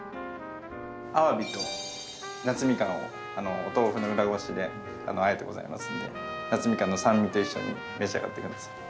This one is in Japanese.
鮑と夏蜜柑をお豆腐の裏ごしで和えてございますので夏蜜柑の酸味と一緒に召し上がって下さい。